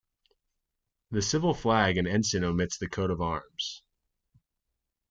The civil flag and ensign omits the coat of arms.